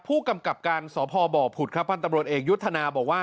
ผู้กำกับการสพบผุดครับพันธ์ตำรวจเอกยุทธนาบอกว่า